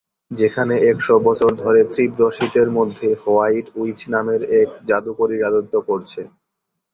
যেখানে একশ বছর ধরে তীব্র শীতের মধ্যে হোয়াইট উইচ নামের এক জাদুকরী রাজত্ব করছে।